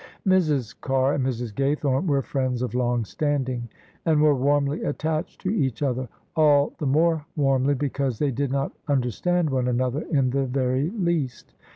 Mrs. Carr and Mrs. Gaythorne were friends of long standing and were warmly attached to each other — ^all the more warmly because they did not understand one another in the very least.